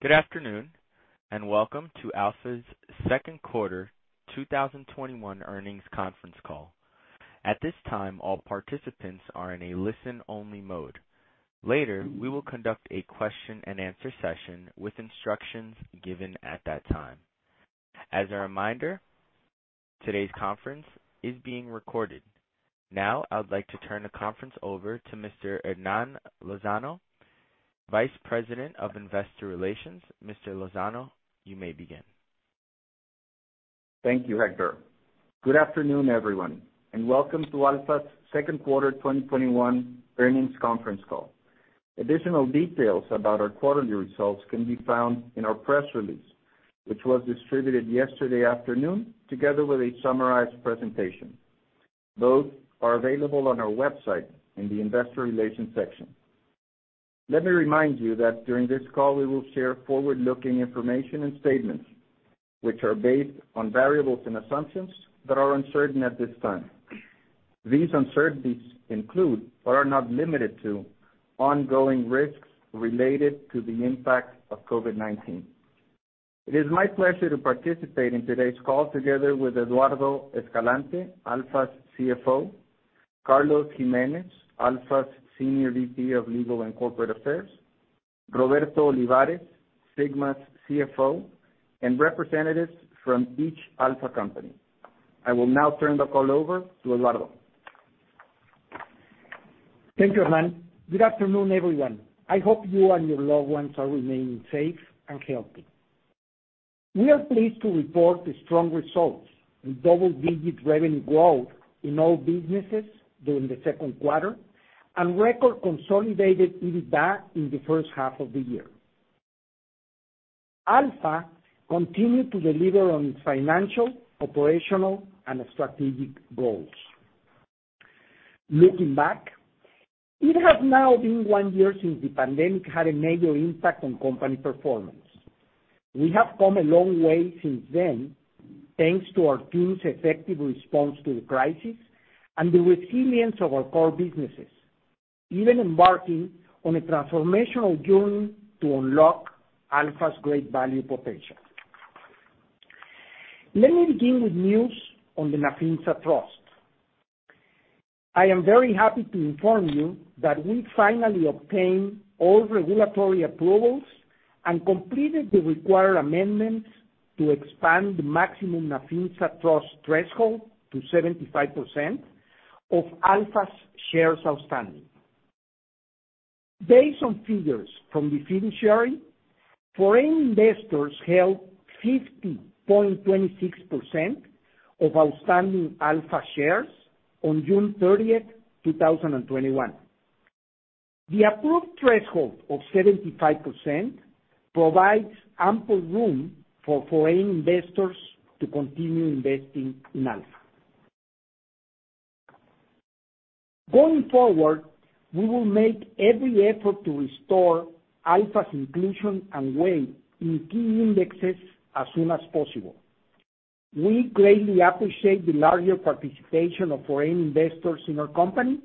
Good afternoon, welcome to ALFA's Q2 2021 Earnings Conference Call. At this time, all participants are in a listen-only mode. Later, we will conduct a question-and-answer session with instructions given at that time. As a reminder, today's conference is being recorded. I would like to turn the conference over to Mr. Hernán Lozano, Vice President of Investor Relations. Mr. Lozano, you may begin. Thank you, Hector. Good afternoon, everyone, and welcome to ALFA's Q2 2021 Earnings Conference Call. Additional details about our quarterly results can be found in our press release, which was distributed yesterday afternoon together with a summarized presentation. Both are available on our website in the investor relations section. Let me remind you that during this call, we will share forward-looking information and statements which are based on variables and assumptions that are uncertain at this time. These uncertainties include, but are not limited to, ongoing risks related to the impact of COVID-19. It is my pleasure to participate in today's call together with Eduardo Escalante, ALFA's CFO, Carlos Jiménez, ALFA's Senior VP of Legal and Corporate Affairs, Roberto Olivares, Sigma's CFO, and representatives from each ALFA company. I will now turn the call over to Eduardo. Thank you, Hernán. Good afternoon, everyone. I hope you and your loved ones are remaining safe and healthy. We are pleased to report the strong results in double-digit revenue growth in all businesses during the Q2 and record consolidated EBITDA in the first half of the year. ALFA continued to deliver on its financial, operational, and strategic goals. Looking back, it has now been one year since the pandemic had a major impact on company performance. We have come a long way since then, thanks to our team's effective response to the crisis and the resilience of our core businesses, even embarking on a transformational journey to unlock ALFA's great value potential. Let me begin with news on the Nafinsa Trust. I am very happy to inform you that we finally obtained all regulatory approvals and completed the required amendments to expand the maximum Nafinsa Trust threshold to 75% of ALFA's shares outstanding. Based on figures from the fiduciary, foreign investors held 50.26% of outstanding ALFA shares on June 30, 2021. The approved threshold of 75% provides ample room for foreign investors to continue investing in ALFA. Going forward, we will make every effort to restore ALFA's inclusion and weight in key indexes as soon as possible. We greatly appreciate the larger participation of foreign investors in our company,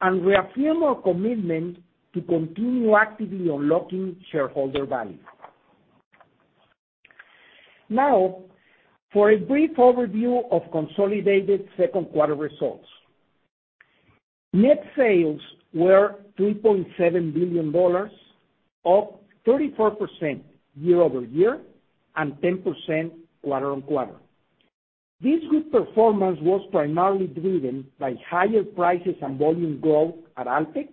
and we affirm our commitment to continue actively unlocking shareholder value. Now, for a brief overview of consolidated Q2 results. Net sales were $3.7 billion, up 34% year-over-year and 10% quarter-on-quarter. This good performance was primarily driven by higher prices and volume growth at Alpek,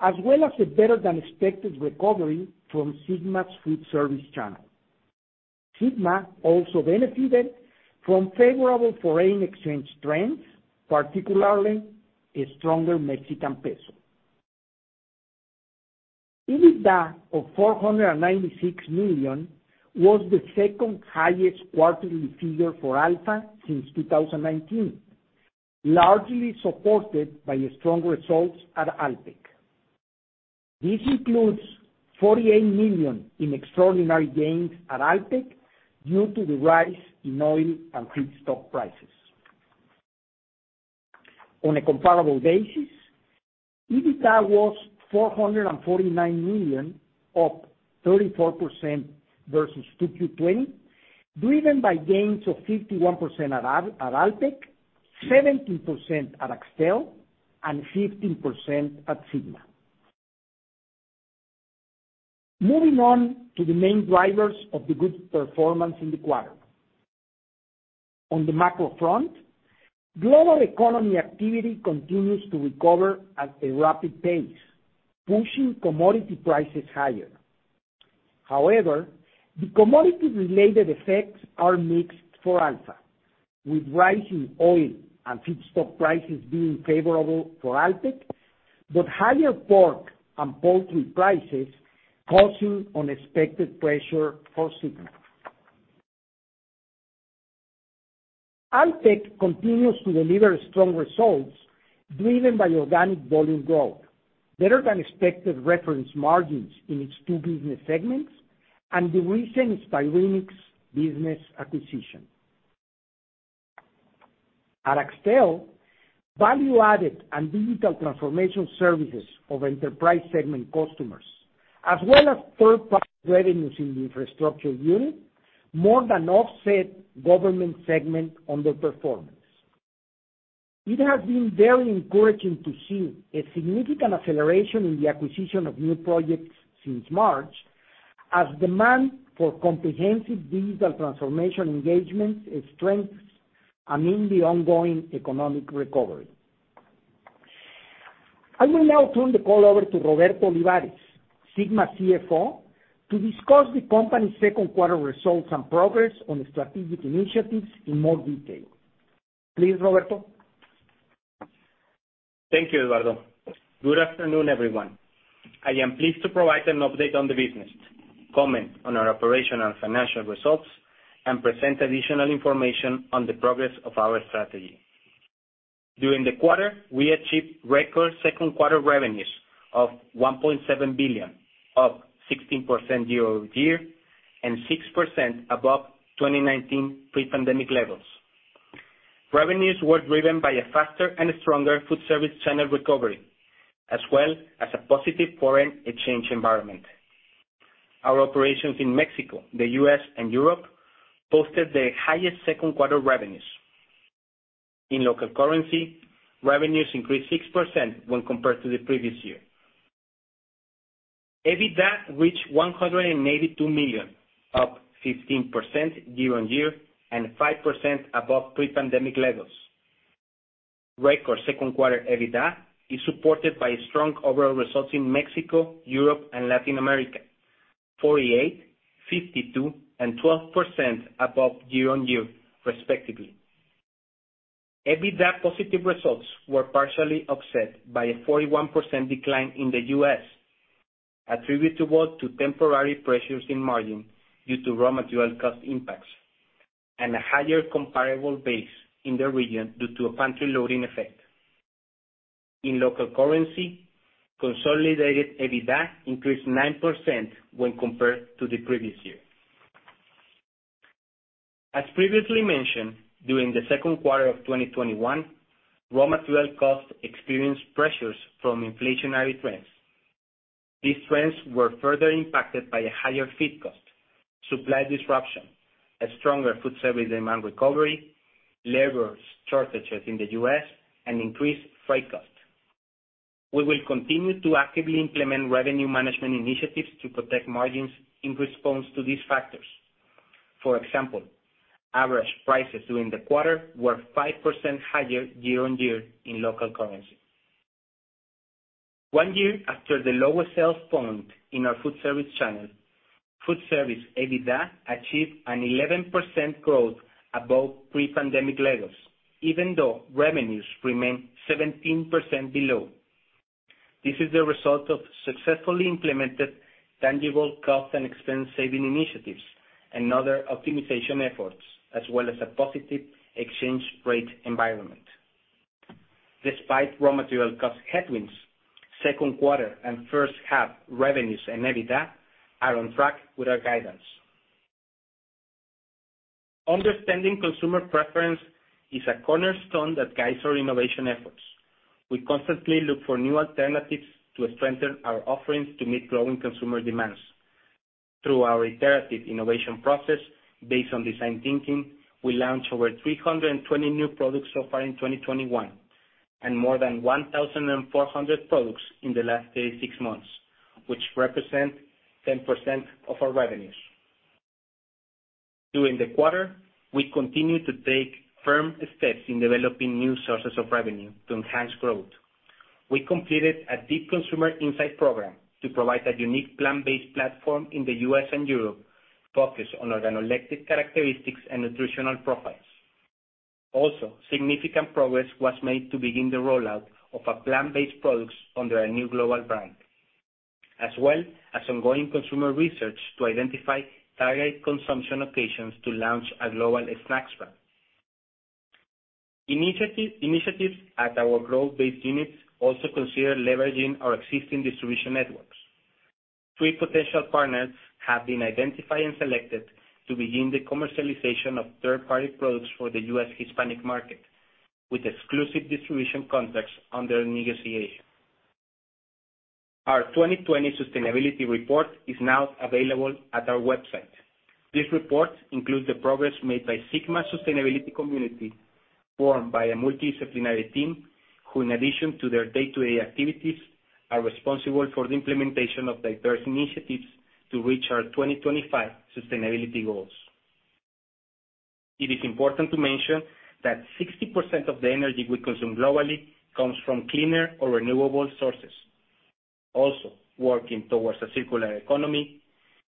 as well as a better-than-expected recovery from Sigma's food service channel. Sigma also benefited from favorable foreign exchange trends, particularly a stronger Mexican peso. EBITDA of $496 million was the second highest quarterly figure for ALFA since 2019, largely supported by strong results at Alpek. This includes $48 million in extraordinary gains at Alpek due to the rise in oil and feedstock prices. On a comparable basis, EBITDA was $449 million, up 34% versus Q2 2020, driven by gains of 51% at Alpek, 17% at Axtel, and 15% at Sigma. Moving on to the main drivers of the group's performance in the quarter. On the macro front, global economy activity continues to recover at a rapid pace, pushing commodity prices higher. The commodity-related effects are mixed for ALFA, with rising oil and feedstock prices being favorable for Alpek, but higher pork and poultry prices causing unexpected pressure for Sigma. Alpek continues to deliver strong results driven by organic volume growth, better-than-expected reference margins in its two business segments, and the recent Styropek business acquisition. At Axtel, value-added and digital transformation services of enterprise segment customers, as well as third-party revenues in the infrastructure unit, more than offset government segment underperformance. It has been very encouraging to see a significant acceleration in the acquisition of new projects since March as demand for comprehensive digital transformation engagement strengthens amid the ongoing economic recovery. I will now turn the call over to Roberto Olivares, Sigma CFO, to discuss the company's Q2 results and progress on strategic initiatives in more detail. Please, Roberto. Thank you, Eduardo. Good afternoon, everyone. I am pleased to provide an update on the business, comment on our operational and financial results, and present additional information on the progress of our strategy. During the quarter, we achieved record Q2 revenues of $1.7 billion, up 16% year-over-year, and 6% above 2019 pre-pandemic levels. Revenues were driven by a faster and stronger food service channel recovery, as well as a positive foreign exchange environment. Our operations in Mexico, the U.S., and Europe posted their highest Q2 revenues. In local currency, revenues increased 6% when compared to the previous year. EBITDA reached $182 million, up 15% year-on-year, and 5% above pre-pandemic levels. Record Q2 EBITDA is supported by strong overall results in Mexico, Europe, and Latin America, 48%, 52%, and 12% above year-on-year, respectively. EBITDA positive results were partially offset by a 41% decline in the U.S., attributable to temporary pressures in margin due to raw material cost impacts, and a higher comparable base in the region due to a pantry loading effect. In local currency, consolidated EBITDA increased 9% when compared to the previous year. As previously mentioned, during the Q2 of 2021, raw material costs experienced pressures from inflationary trends. These trends were further impacted by higher feed costs, supply disruption, a stronger food service demand recovery, labor shortages in the U.S., and increased freight costs. We will continue to actively implement revenue management initiatives to protect margins in response to these factors. For example, average prices during the quarter were 5% higher year-on-year in local currency. One year after the lowest sales point in our food service channel, food service EBITDA achieved an 11% growth above pre-pandemic levels, even though revenues remain 17% below. This is the result of successfully implemented tangible cost and expense-saving initiatives and other optimization efforts, as well as a positive exchange rate environment. Despite raw material cost headwinds, Q2 and first half revenues and EBITDA are on track with our guidance. Understanding consumer preference is a cornerstone that guides our innovation efforts. We constantly look for new alternatives to strengthen our offerings to meet growing consumer demands. Through our iterative innovation process, based on design thinking, we launched over 320 new products so far in 2021, and more than 1,400 products in the last 36 months, which represent 10% of our revenues. During the quarter, we continued to take firm steps in developing new sources of revenue to enhance growth. We completed a deep consumer insight program to provide a unique plant-based platform in the U.S. and Europe focused on organoleptic characteristics and nutritional profiles. Significant progress was made to begin the rollout of our plant-based products under a new global brand, as well as ongoing consumer research to identify target consumption occasions to launch a global snacks brand. Initiatives at our growth-based units also consider leveraging our existing distribution networks. Three potential partners have been identified and selected to begin the commercialization of third-party products for the U.S. Hispanic market, with exclusive distribution contracts under negotiation. Our 2020 sustainability report is now available at our website. This report includes the progress made by Sigma Sustainability community, formed by a multidisciplinary team, who in addition to their day-to-day activities, are responsible for the implementation of diverse initiatives to reach our 2025 sustainability goals. It is important to mention that 60% of the energy we consume globally comes from cleaner or renewable sources. Working towards a circular economy,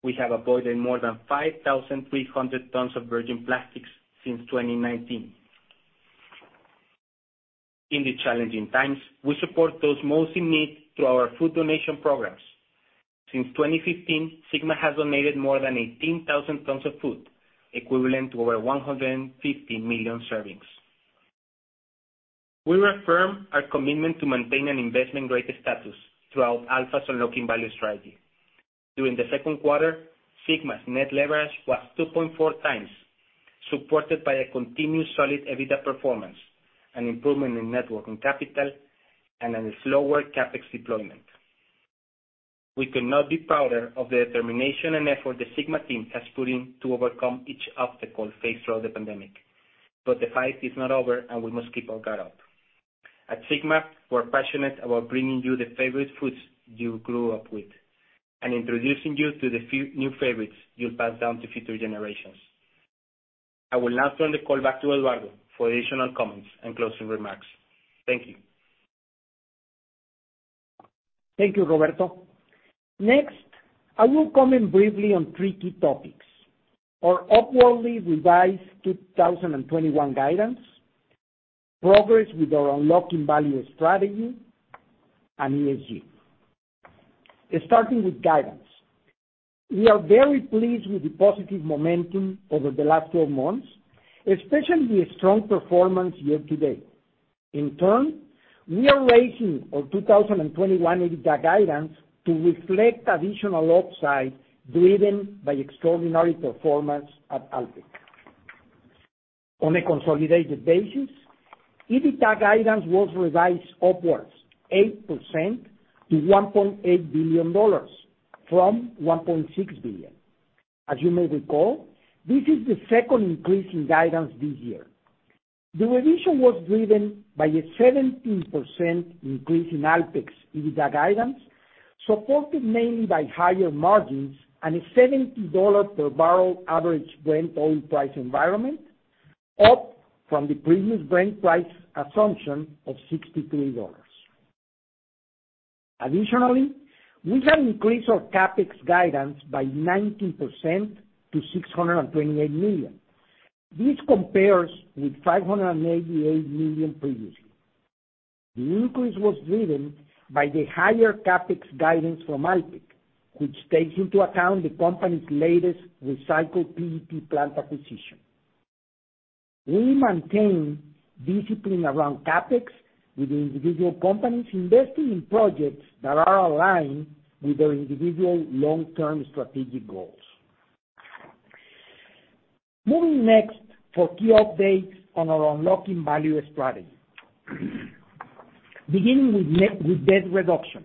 we have avoided more than 5,300 tons of virgin plastics since 2019. In the challenging times, we support those most in need through our food donation programs. Since 2015, Sigma has donated more than 18,000 tons of food, equivalent to over 150 million servings. We reaffirm our commitment to maintain an investment-grade status throughout ALFA's Unlocking Value strategy. During the Q2, Sigma's net leverage was 2.4x, supported by a continuous solid EBITDA performance, an improvement in net working capital, and a slower CapEx deployment. We could not be prouder of the determination and effort the Sigma team has put in to overcome each obstacle faced throughout the pandemic. The fight is not over, and we must keep our guard up. At Sigma, we're passionate about bringing you the favorite foods you grew up with, and introducing you to the few new favorites you'll pass down to future generations. I will now turn the call back to Eduardo for additional comments and closing remarks. Thank you. Thank you, Roberto. Next, I will comment briefly on three key topics. Our upwardly revised 2021 guidance, progress with our Unlocking Value strategy, and ESG. Starting with guidance, we are very pleased with the positive momentum over the last 12 months, especially the strong performance year-to-date. In turn, we are raising our 2021 EBITDA guidance to reflect additional upside driven by extraordinary performance at Alpek. On a consolidated basis, EBITDA guidance was revised upwards 8% to $1.8 billion, from $1.6 billion. As you may recall, this is the second increase in guidance this year. The revision was driven by a 17% increase in Alpek's EBITDA guidance, supported mainly by higher margins and a $70 per barrel average Brent oil price environment, up from the previous Brent price assumption of $63. Additionally, we have increased our CapEx guidance by 19% to $628 million. This compares with $588 million previously. The increase was driven by the higher CapEx guidance from Alpek, which takes into account the company's latest recycled PET plant acquisition. We maintain discipline around CapEx with the individual companies investing in projects that are aligned with their individual long-term strategic goals. Moving next for key updates on our Unlocking Value strategy. Beginning with net debt reduction.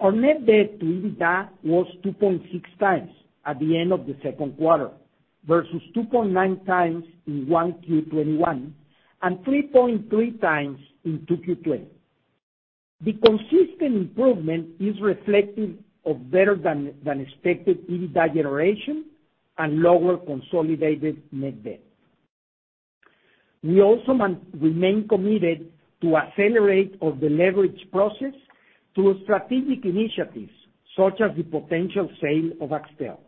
Our net debt to EBITDA was 2.6x at the end of the Q2 versus 2.9x in Q1 2021, and 3.3x in Q2 2020. The consistent improvement is reflective of better than expected EBITDA generation and lower consolidated net debt. We also remain committed to accelerate the deleverage process through strategic initiatives, such as the potential sale of Axtel.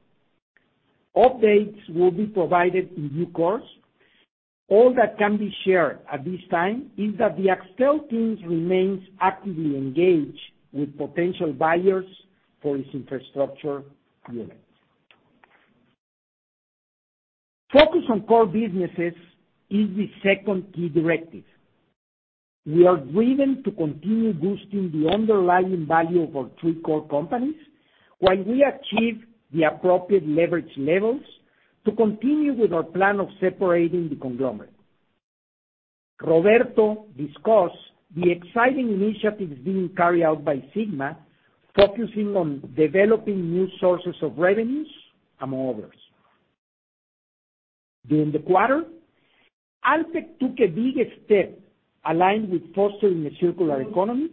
Updates will be provided in due course. All that can be shared at this time is that the Axtel team remains actively engaged with potential buyers for its infrastructure unit. Focus on core businesses is the second key directive. We are driven to continue boosting the underlying value of our three core companies while we achieve the appropriate leverage levels to continue with our plan of separating the conglomerate. Roberto discussed the exciting initiatives being carried out by Sigma, focusing on developing new sources of revenues, among others. During the quarter, Alpek took a big step aligned with fostering a circular economy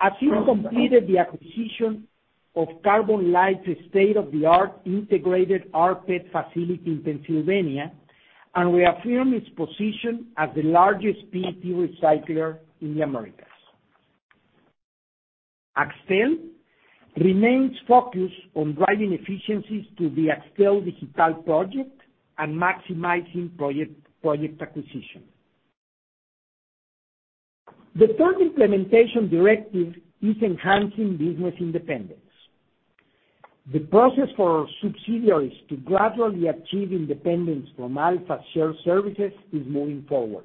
as it completed the acquisition of CarbonLITE's state-of-the-art integrated rPET facility in Pennsylvania, and reaffirmed its position as the largest PET recycler in the Americas. Axtel remains focused on driving efficiencies to the Axtel Digital project and maximizing project acquisition. The third implementation directive is enhancing business independence. The process for our subsidiaries to gradually achieve independence from ALFA's shared services is moving forward.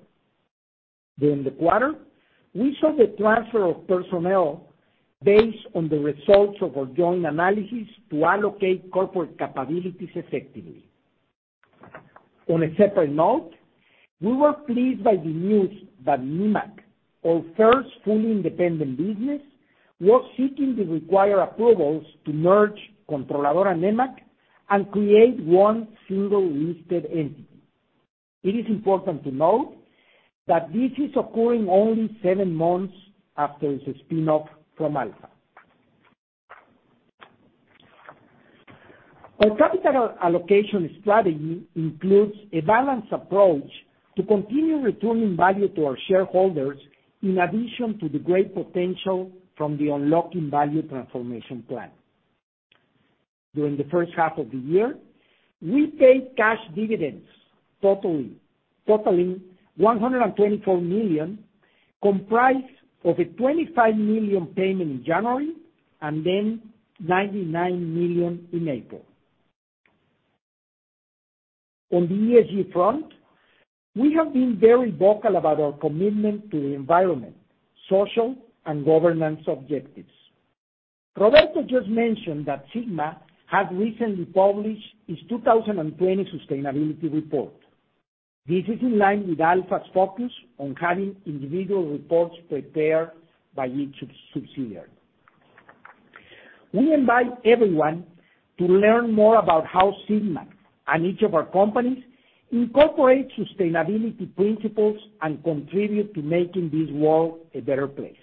During the quarter, we saw the transfer of personnel based on the results of our joint analysis to allocate corporate capabilities effectively. On a separate note, we were pleased by the news that Nemak, our first fully independent business, was seeking the required approvals to merge Controladora Nemak and create one single-listed entity. It is important to note that this is occurring only seven months after its spin-off from ALFA. Our capital allocation strategy includes a balanced approach to continue returning value to our shareholders, in addition to the great potential from the Unlocking Value Transformation Plan. During the first half of the year, we paid cash dividends totaling $124 million, comprised of a $25 million payment in January, and then $99 million in April. On the ESG front, we have been very vocal about our commitment to the environment, social, and governance objectives. Roberto just mentioned that Sigma has recently published its 2020 sustainability report. This is in line with ALFA's focus on having individual reports prepared by each subsidiary. We invite everyone to learn more about how Sigma and each of our companies incorporate sustainability principles and contribute to making this world a better place.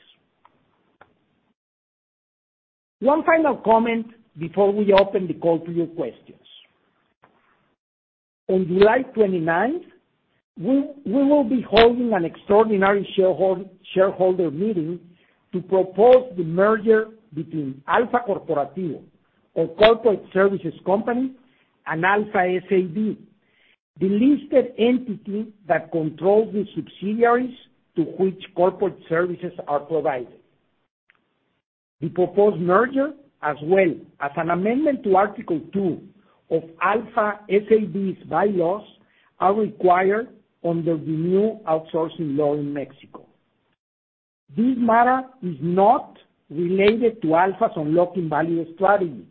One final comment before we open the call to your questions. On July 29th, we will be holding an extraordinary shareholder meeting to propose the merger between ALFA Corporativo, our corporate services company, and ALFA S.A.B., the listed entity that controls the subsidiaries to which corporate services are provided. The proposed merger, as well as an amendment to Article 2 of ALFA S.A.B.'s bylaws, are required under the new outsourcing law in Mexico. This matter is not related to ALFA's unlocking value strategy,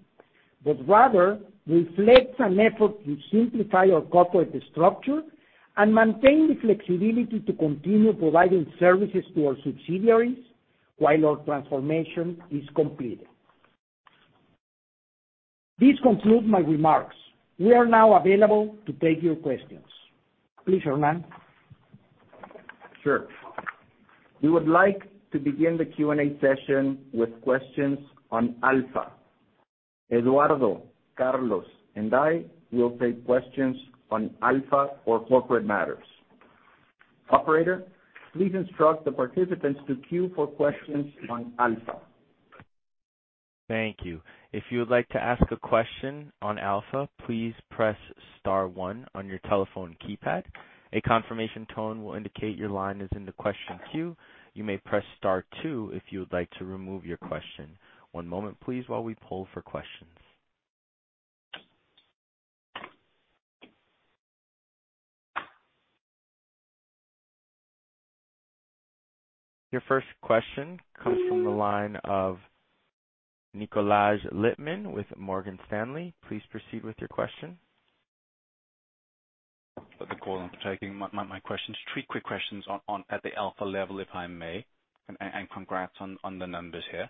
but rather reflects an effort to simplify our corporate structure and maintain the flexibility to continue providing services to our subsidiaries while our transformation is completed. This concludes my remarks. We are now available to take your questions. Please, Hernán. Sure. We would like to begin the Q&A session with questions on ALFA. Eduardo, Carlos, and I will take questions on ALFA or corporate matters. Operator, please instruct the participants to queue for questions on ALFA. Thank you. Your first question comes from the line of Nikolaj Lippmann with Morgan Stanley. Please proceed with your question. Thank you for the call and for taking my question. Just three quick questions at the ALFA level, if I may, and congrats on the numbers here.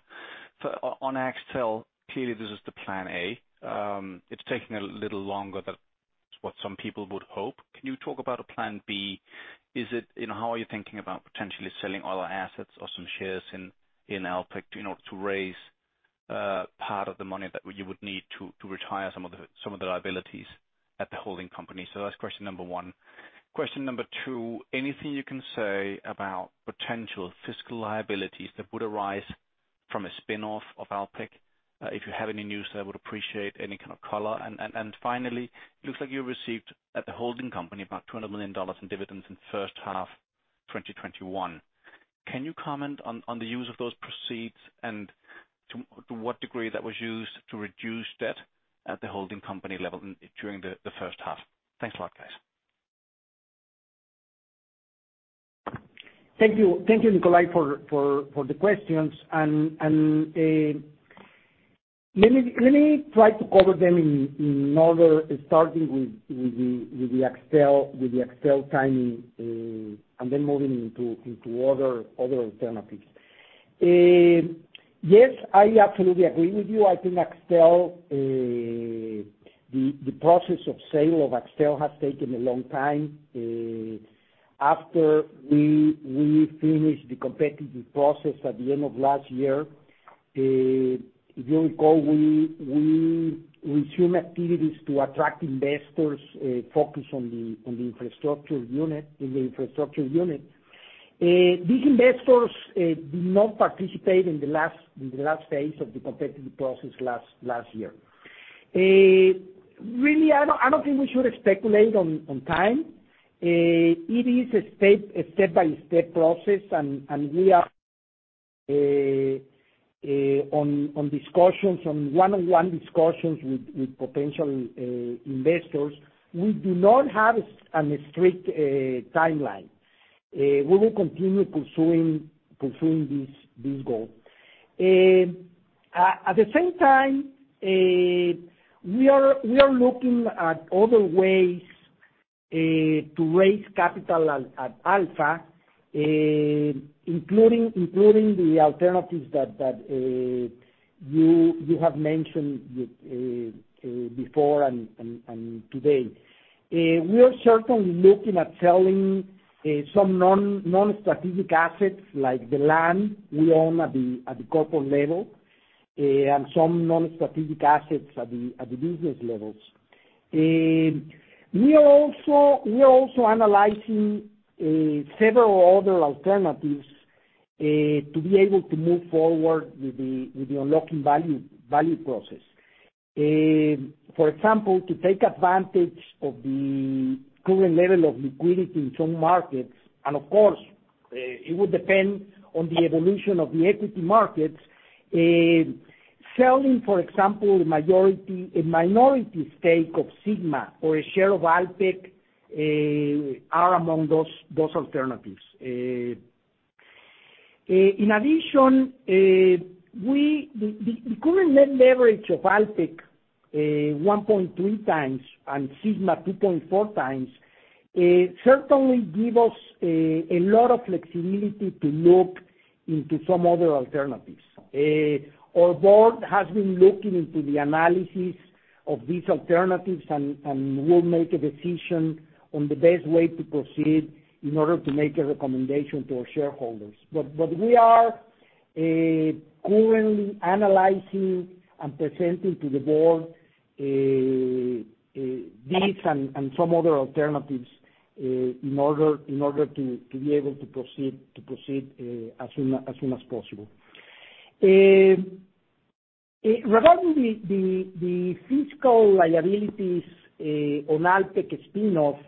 On Axtel, clearly this is the plan A. It's taking a little longer than what some people would hope. Can you talk about a plan B? How are you thinking about potentially selling all our assets or some shares in Alpek in order to raise part of the money that you would need to retire some of the liabilities at the holding company? That's question number 1. Question number 2, anything you can say about potential fiscal liabilities that would arise from a spinoff of Alpek? If you have any news there, I would appreciate any kind of color. Finally, it looks like you received, at the holding company, about $200 million in dividends in the first half of 2021. Can you comment on the use of those proceeds and to what degree that was used to reduce debt at the holding company level during the first half? Thanks a lot, guys. Thank you, Nikolaj, for the questions. Let me try to cover them in order, starting with the Axtel timing and then moving into other alternatives. Yes, I absolutely agree with you. I think the process of sale of Axtel has taken a long time. After we finished the competitive process at the end of last year, if you recall, we resumed activities to attract investors focused on the infrastructure unit. These investors did not participate in the last phase of the competitive process last year. I don't think we should speculate on time. It is a step-by-step process, and we are on one-on-one discussions with potential investors. We do not have a strict timeline. We will continue pursuing this goal. At the same time, we are looking at other ways to raise capital at ALFA, including the alternatives that you have mentioned before and today. We are certainly looking at selling some non-strategic assets, like the land we own at the corporate level, and some non-strategic assets at the business levels. We are also analyzing several other alternatives to be able to move forward with the unlocking value process. For example, to take advantage of the current level of liquidity in some markets, and of course, it would depend on the evolution of the equity markets. Selling, for example, a minority stake of Sigma or a share of Alpek are among those alternatives. In addition, the current net leverage of Alpek, 1.3x, and Sigma 2.4x, certainly give us a lot of flexibility to look into some other alternatives. Our board has been looking into the analysis of these alternatives and will make a decision on the best way to proceed in order to make a recommendation to our shareholders. We are currently analyzing and presenting to the Board these and some other alternatives in order to be able to proceed as soon as possible. Regarding the fiscal liabilities on Alpek spin-off,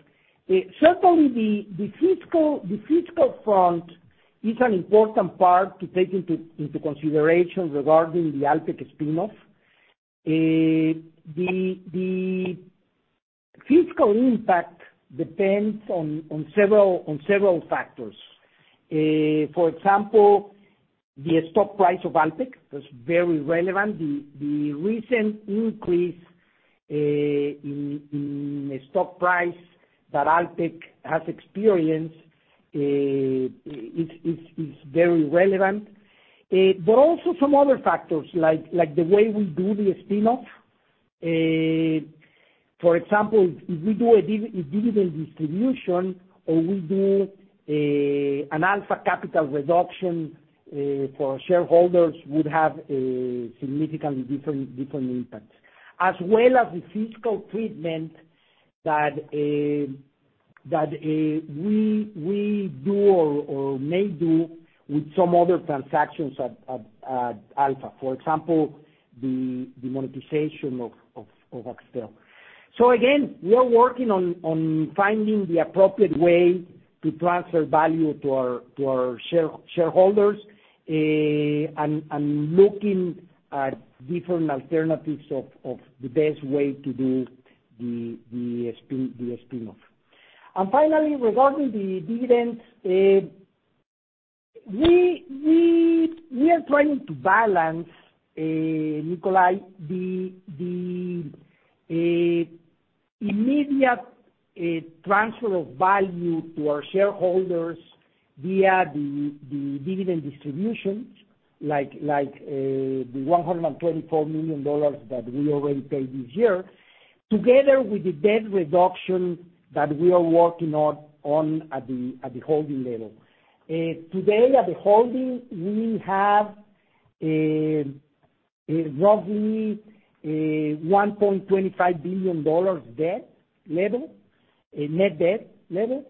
certainly the fiscal front is an important part to take into consideration regarding the Alpek spin-off. The fiscal impact depends on several factors. For example, the stock price of Alpek is very relevant. The recent increase in stock price that Alpek has experienced is very relevant. Also, some other factors like the way we do the spin-off. For example, if we do a dividend distribution or we do an ALFA capital reduction for shareholders, would have a significantly different impact. As well as the fiscal treatment that we do or may do with some other transactions at ALFA. For example, the monetization of Axtel.Again, we are working on finding the appropriate way to transfer value to our shareholders and looking at different alternatives of the best way to do the spin-off. Finally, regarding the dividends, we are trying to balance, Nikolaj, the immediate transfer of value to our shareholders via the dividend distributions, like the $124 million that we already paid this year, together with the debt reduction that we are working on at the holding level. Today at the holding, we have a roughly $1.25 billion net debt level.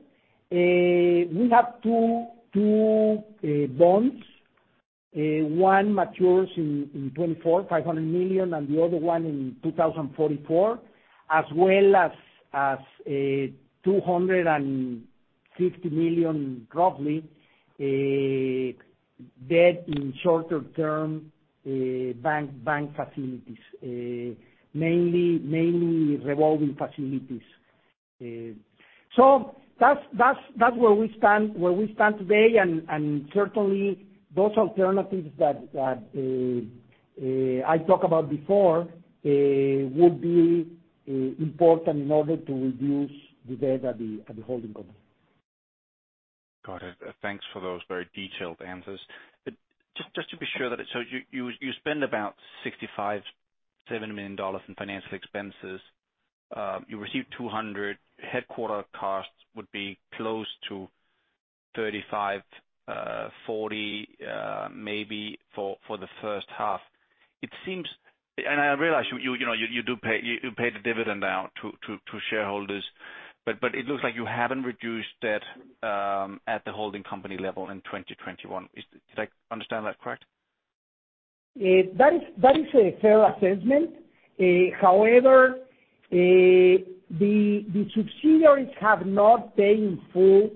We have two bonds. One matures in 2024, $500 million, and the other one in 2044. As well as $250 million, roughly, debt in shorter term bank facilities, mainly revolving facilities. That's where we stand today, and certainly those alternatives that I talked about before will be important in order to reduce the debt at the holding company. Got it. Thanks for those very detailed answers. Just to be sure, you spend about $65 million to $70 million in financial expenses. You received $200. Headquarters costs would be close to $35 million to $40 million maybe for the first half. I realize you paid the dividend out to shareholders, it looks like you haven't reduced debt at the holding company level in 2021. Did I understand that correct? That is a fair assessment. However, the subsidiaries have not paid in full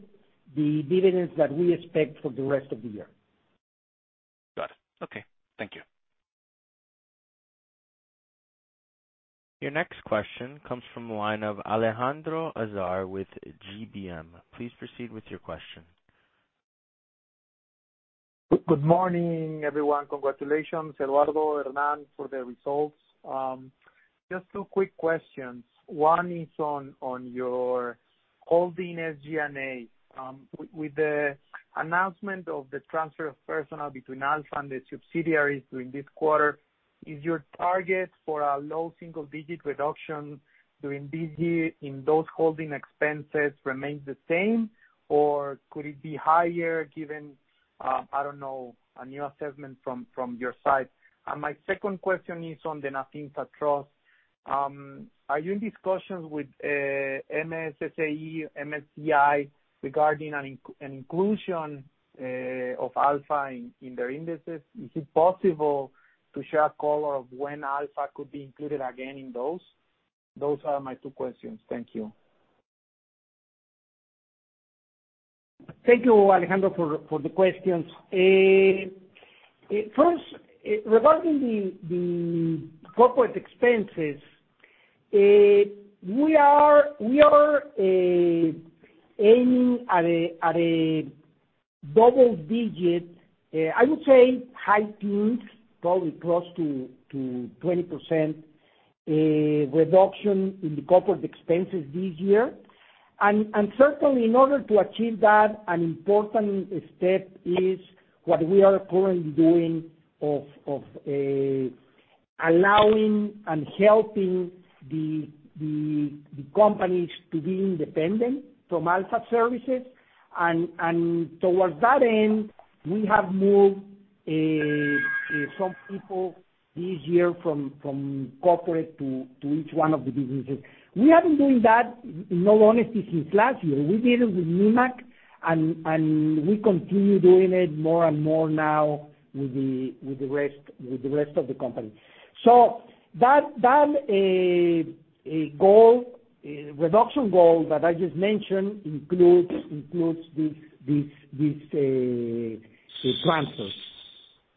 the dividends that we expect for the rest of the year. Got it. Okay. Thank you. Your next question comes from the line of Alejandro Azar with GBM. Please proceed with your question. Good morning, everyone. Congratulations, Eduardo, Hernán, for the results. Just two quick questions. One is on your holding SG&A. With the announcement of the transfer of personnel between ALFA and the subsidiaries during this quarter, is your target for a low single-digit reduction during this year in those holding expenses remain the same, or could it be higher given, I don't know, a new assessment from your side? My second question is on the Nafinsa Trust. Are you in discussions with MSCI regarding an inclusion of ALFA in their indices? Is it possible to share a call of when ALFA could be included again in those? Those are my two questions. Thank you. Thank you, Alejandro, for the questions. First, regarding the corporate expenses, we are aiming at a double-digit, I would say high teens, probably close to 20%, reduction in the corporate expenses this year. Certainly, in order to achieve that, an important step is what we are currently doing of allowing and helping the companies to be independent from ALFA services. Towards that end, we have moved some people this year from corporate to each one of the businesses. We have been doing that in all honesty since last year. We did it with Nemak, and we continue doing it more and more now with the rest of the company. That reduction goal that I just mentioned includes these transfers.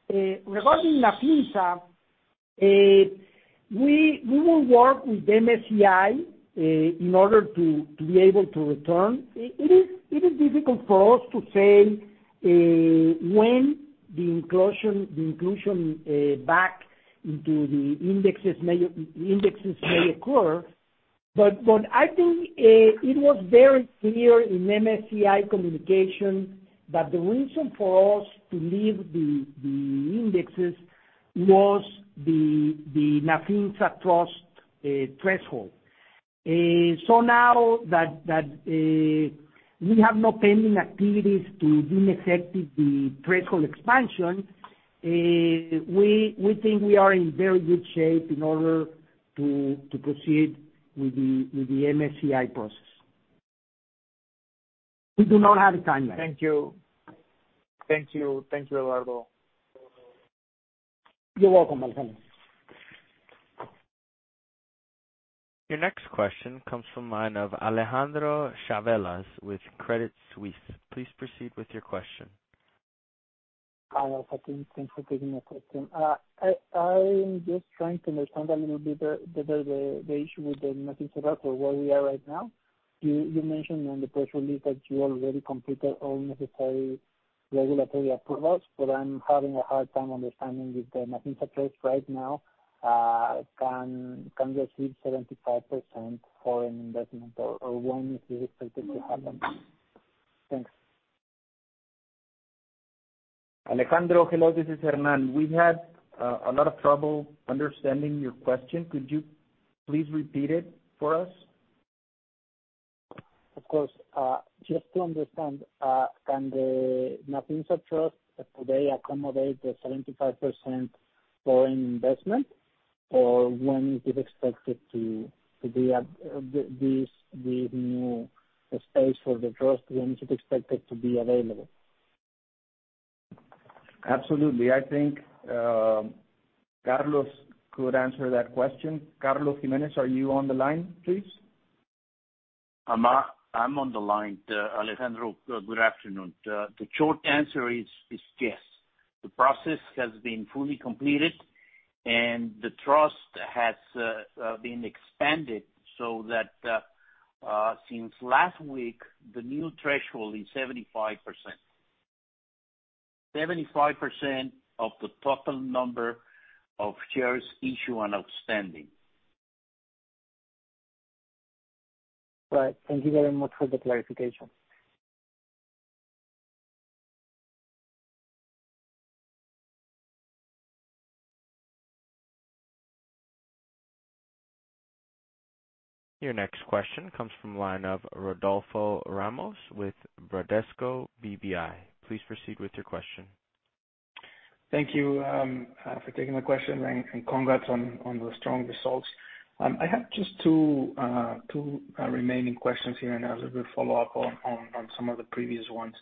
Regarding Nafinsa, we will work with MSCI in order to be able to return. It is difficult for us to say when the inclusion back into the indexes may occur. What I think, it was very clear in MSCI communication that the reason for us to leave the indexes was the Nafinsa Trust threshold. Now that we have no pending activities to effect the threshold expansion, we think we are in very good shape in order to proceed with the MSCI process. We do not have a timeline. Thank you, Eduardo. You're welcome, Alejandro. Your next question comes from the line of Alejandro Chavelas with Credit Suisse. Please proceed with your question. Hi, Eduardo. Thanks for taking my question. I am just trying to understand a little bit better the issue with the message about where we are right now. You mentioned on the press release that you already completed all necessary regulatory approvals, I'm having a hard time understanding if the message across right now can receive 75% foreign investment, or when is it expected to happen? Thanks. Alejandro, hello, this is Hernán. We had a lot of trouble understanding your question. Could you please repeat it for us? Of course. Just to understand, can the Nafinsa Trust, could they accommodate the 75% foreign investment? When is it expected the new space for the trust, when is it expected to be available? Absolutely. I think Carlos could answer that question. Carlos Jiménez, are you on the line, please? I'm on the line. Alejandro, good afternoon. The short answer is yes. The process has been fully completed and the Trust has been expanded so that since last week, the new threshold is 75%. 75% of the total number of shares issued and outstanding. Right. Thank you very much for the clarification. Your next question comes from the line of Rodolfo Ramos with Bradesco BBI. Please proceed with your question. Thank you for taking my question, and congrats on the strong results. I have just two remaining questions here, and as a good follow-up on some of the previous ones.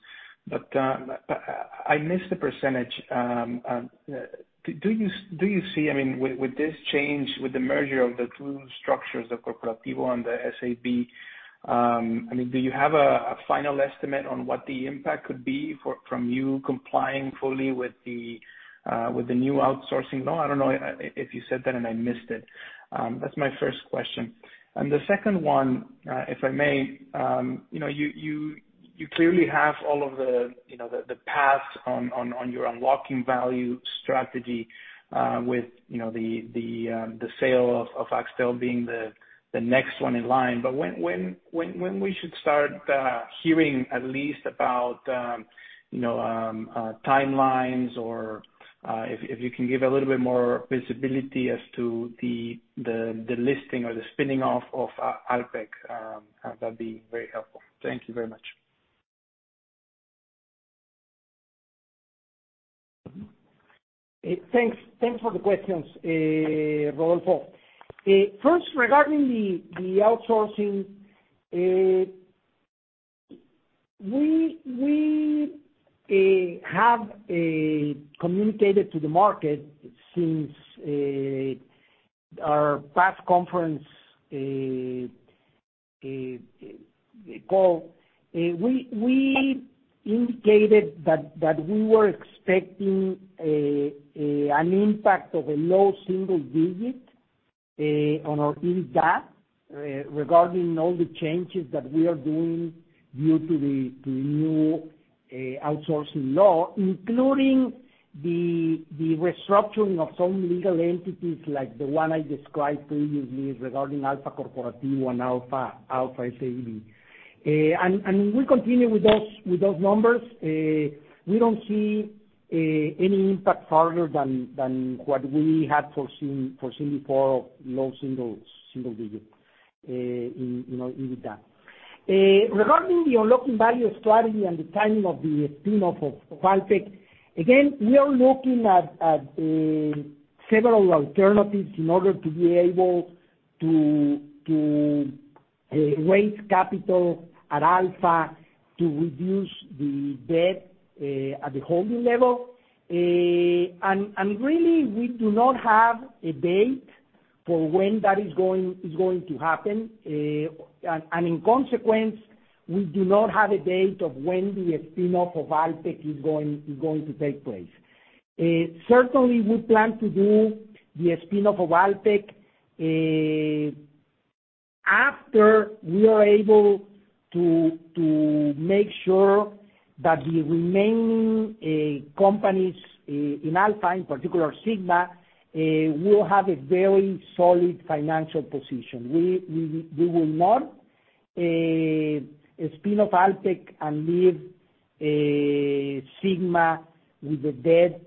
I missed the percentage. Do you see, with this change, with the merger of the two structures of ALFA Corporativo and the ALFA S.A.B., do you have a final estimate on what the impact could be from you complying fully with the new outsourcing law? I don't know if you said that and I missed it. That's my first question. The second one, if I may. You clearly have all of the paths on your unlocking value strategy with the sale of Axtel being the next one in line. When we should start hearing at least about timelines or if you can give a little bit more visibility as to the listing or the spinning off of Alpek, that'd be very helpful. Thank you very much. Thanks for the questions, Rodolfo. First, regarding the outsourcing, we have communicated to the market since our past conference call. We indicated that we were expecting an impact of a low single digit on our EBITDA regarding all the changes that we are doing due to the new outsourcing law, including the restructuring of some legal entities like the one I described previously regarding ALFA Corporativo and ALFA S.A.B. We continue with those numbers. We don't see any impact further than what we had foreseen before of low single digit in EBITDA. Regarding the unlocking value strategy and the timing of the spin-off of Alpek, again, we are looking at several alternatives in order to be able to raise capital at ALFA to reduce the debt at the holding level. Really, we do not have a date for when that is going to happen. In consequence, we do not have a date of when the spin-off of Alpek is going to take place. Certainly, we plan to do the spin-off of Alpek after we are able to make sure that the remaining companies in ALFA, in particular Sigma, will have a very solid financial position. We will not spin off Alpek and leave Sigma with a debt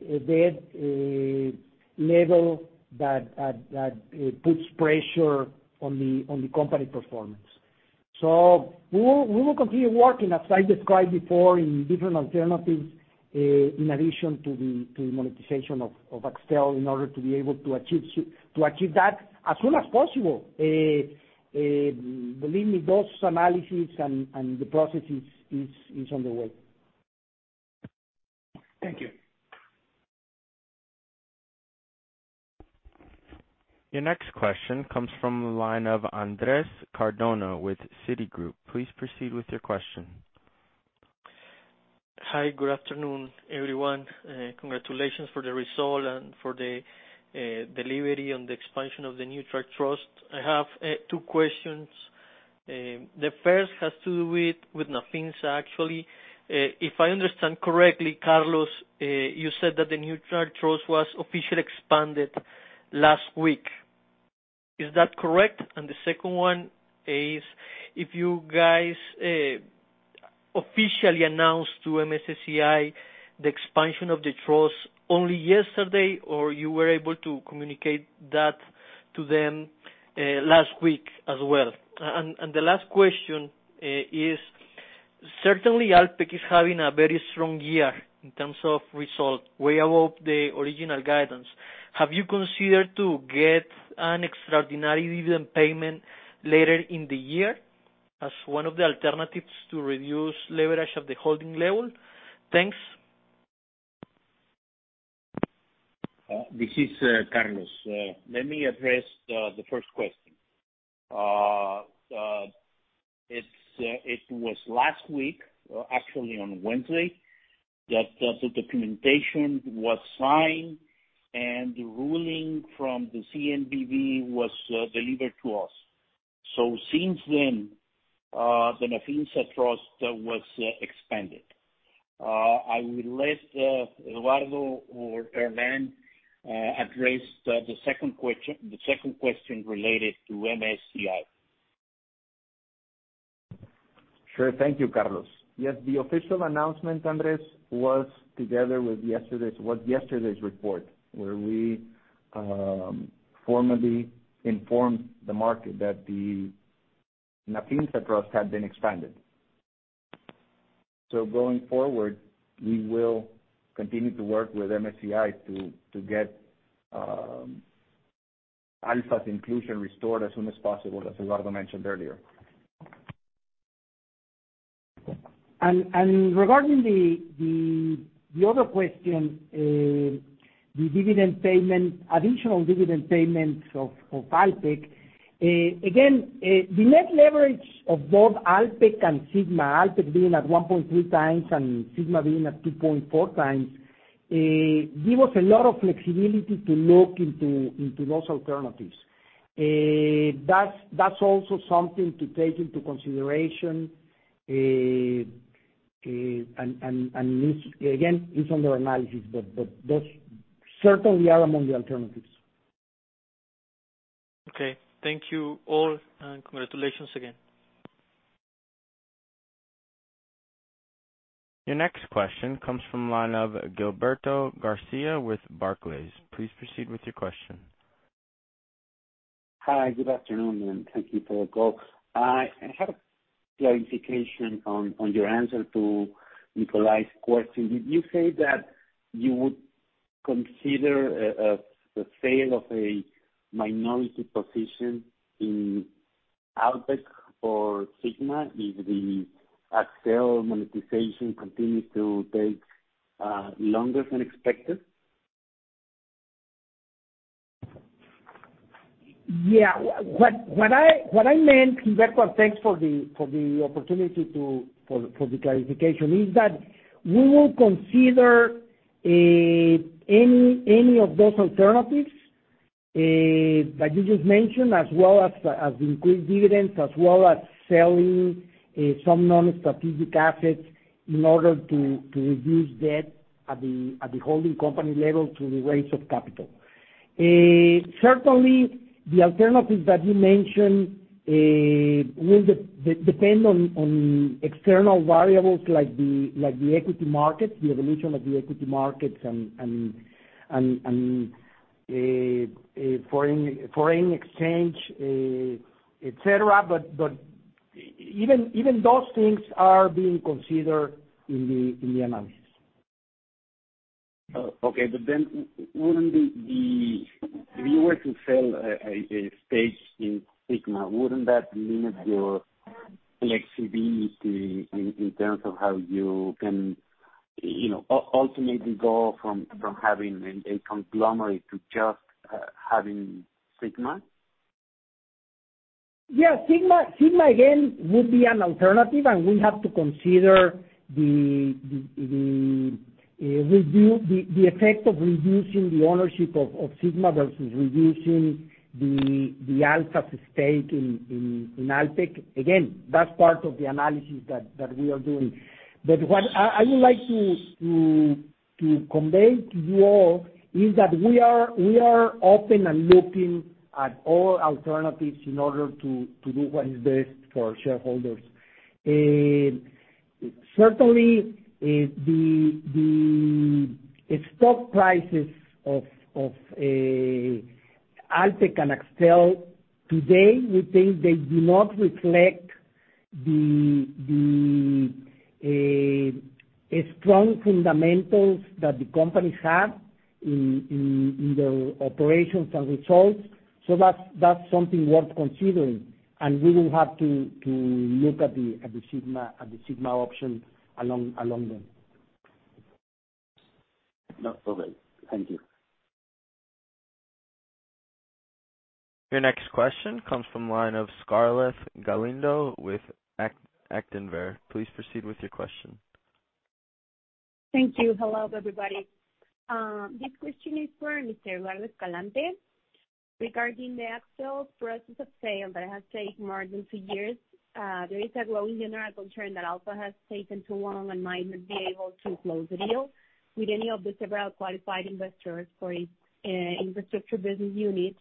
level that puts pressure on the company performance. We will continue working, as I described before, in different alternatives in addition to the monetization of Axtel in order to be able to achieve that as soon as possible. Believe me, those analyses and the process is on the way. Thank you. Your next question comes from the line of Andres Cardona with Citi. Please proceed with your question. Hi. Good afternoon, everyone. Congratulations for the result and for the delivery on the expansion of the Nafinsa Trust. I have two questions. The first has to do with Nafinsa, actually. If I understand correctly, Carlos, you said that the Nafinsa Trust was officially expanded last week. Is that correct? The second one is, if you guys officially announced to MSCI the expansion of the Trust only yesterday, or you were able to communicate that to them last week as well. The last question is, certainly Alpek is having a very strong year in terms of result, way above the original guidance. Have you considered to get an extraordinary dividend payment later in the year as one of the alternatives to reduce leverage at the holding level? Thanks. This is Carlos. Let me address the first question. It was last week, actually on Wednesday, that the documentation was signed, and the ruling from the CNBV was delivered to us. Since then, the Nafinsa Trust was expanded. I will let Eduardo or Hernán address the second question related to MSCI. Sure. Thank you, Carlos. Yes, the official announcement, Andres, was together with yesterday's report, where we formally informed the market that the Nafinsa Trust had been expanded. Going forward, we will continue to work with MSCI to get ALFA's inclusion restored as soon as possible, as Eduardo mentioned earlier. Regarding the other question, the additional dividend payments of Alpek. Again, the net leverage of both Alpek and Sigma, Alpek being at 1.3x and Sigma being at 2.4x, give us a lot of flexibility to look into those alternatives. That's also something to take into consideration, and again, it's under analysis, but that certainly are among the alternatives. Okay. Thank you all, and congratulations again. Your next question comes from the line of Gilberto Garcia with Barclays. Please proceed with your question. Hi, good afternoon, and thank you for the call. I have a clarification on your answer to Nikolaj's question. Did you say that you would consider a sale of a minority position in Alpek or Sigma, if the Axtel monetization continues to take longer than expected? Yeah. What I meant, Gilberto, thanks for the opportunity for the clarification, is that we will consider any of those alternatives that you just mentioned, as well as increased dividends, as well as selling some non-strategic assets in order to reduce debt at the holding company level through the raise of capital. Certainly, the alternatives that you mentioned will depend on external variables like the equity market, the evolution of the equity market, and foreign exchange, et cetera. Even those things are being considered in the analysis. Okay. If you were to sell a stake in Sigma, wouldn't that limit your flexibility in terms of how you can ultimately go from having a conglomerate to just having Sigma? Sigma, again, would be an alternative, and we have to consider the effect of reducing the ownership of Sigma versus reducing the ALFA stake in Alpek. Again, that's part of the analysis that we are doing. What I would like to convey to you all is that we are open and looking at all alternatives in order to do what is best for shareholders. Certainly, the stock prices of Alpek and Axtel today, we think they do not reflect the strong fundamentals that the companies have in their operations and results. That's something worth considering, and we will have to look at the Sigma option along them. Thank you. Your next question comes from the line of Scarlett Galindo with Actinver. Please proceed with your question. Thank you. Hello, everybody. This question is for Mr. Eduardo Escalante regarding the Axtel process of sale that has taken more than two years. There is a growing general concern that ALFA has taken too long and might not be able to close the deal with any of the several qualified investors for its infrastructure business unit